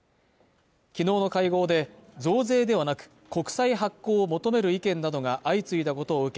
きのうの会合で増税ではなく国債発行を求める意見などが相次いだことを受け